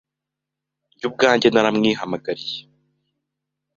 Njye ubwanjye naramwihamagariye